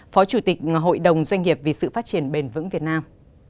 phó chủ tịch hội đồng doanh nghiệp vì sự phát triển bền vững việt nam